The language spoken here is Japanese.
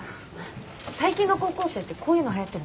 最近の高校生ってこういうのはやってるの？